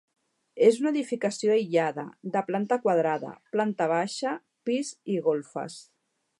És una edificació aïllada, de planta quadrada, planta baixa, pis i golfes.